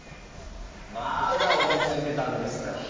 まだうろついてたんですか？